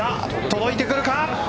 届いてくるか。